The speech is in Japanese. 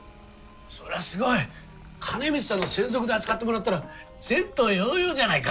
そりゃすごい！金光さんの専属で扱ってもらったら前途洋々じゃないか！